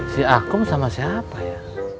si akom sama siapa ya